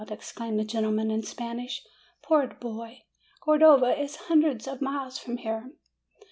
exclaimed the gentleman in Spanish; "poor boy! Cordova is hundreds of miles from here."